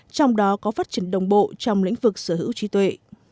trong đó có phát triển đồng bộ trong lĩnh vực sở hữu trí tuệ